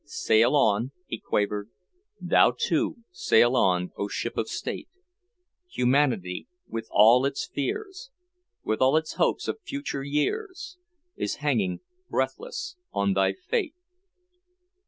"Sail on," he quavered, "Thou, too, sail on, O Ship of State, Humanity, with all its fears, With all its hopes of future years, Is hanging breathless on thy fate."